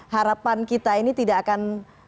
harapan kita ini tidak akan